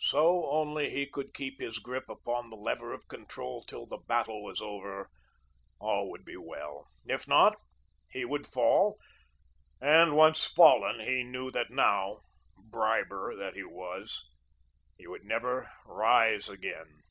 So only he could keep his grip upon the lever of control till the battle was over, all would be well. If not, he would fall, and, once fallen, he knew that now, briber that he was, he would never rise again.